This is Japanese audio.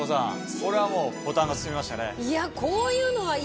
これはボタンが進みましたね。